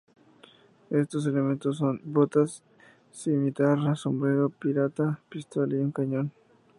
Estos elementos son: Botas, cimitarra, sombrero pirata, pistola y un cañón.